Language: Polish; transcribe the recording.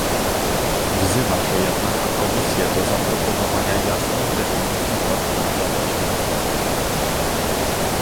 Wzywa się jednak Komisję do zaproponowania jasnych definicji norm ochrony inwestorów